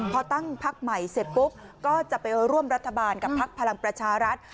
พอตั้งพักใหม่เสร็จปุ๊บก็จะไปร่วมรัฐบาลกับพักพลังประชารัฐ